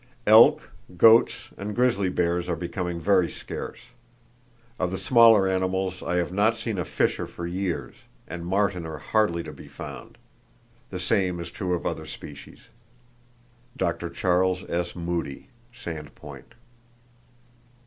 Elk, goats and grizzly bears are becoming very scarce. Of the smaller animals I have not seen a fisher for years, and marten are hardly to be found. The same is true of other species.—(Dr. Charles S. Moody, Sand Point.)